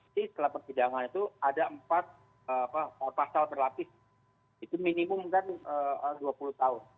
di setelah persidangan itu ada empat pasal berlapis itu minimum kan dua puluh tahun